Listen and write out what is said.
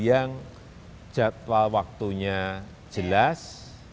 yang jadwal waktunya jelas